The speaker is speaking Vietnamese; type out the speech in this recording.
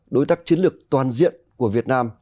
đối tác chiến lược toàn diện của việt nam